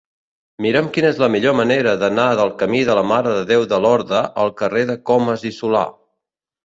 Mira'm quina és la millor manera d'anar del camí de la Mare de Déu de Lorda al carrer de Comas i Solà.